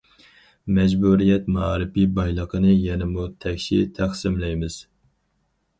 مەجبۇرىيەت مائارىپى بايلىقىنى يەنىمۇ تەكشى تەقسىملەيمىز.